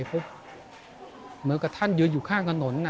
เหมือนกับท่านยืนอยู่ข้างถนน